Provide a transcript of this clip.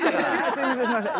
すいませんすいません。